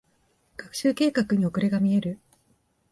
学習計画に遅れが見える。